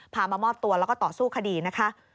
มามอบตัวแล้วก็ต่อสู้คดีนะคะ